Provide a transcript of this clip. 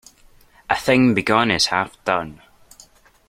A thing begun is half done.